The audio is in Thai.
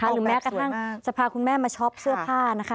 หรือแม้กระทั่งจะพาคุณแม่มาช็อปเสื้อผ้านะคะ